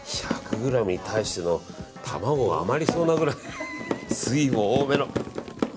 １００ｇに対しての卵が余りそうなくらい水分多めの。